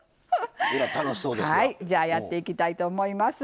じゃやっていきたいと思います。